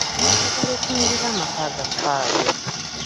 Njagala otunuulire amaka gaffe ago.